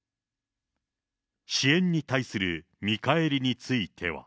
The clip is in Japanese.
支援に対する見返りについては。